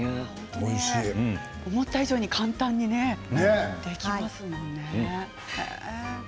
思った以上に簡単にできますよね。